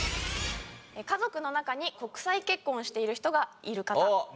家族の中に国際結婚している人がいる方。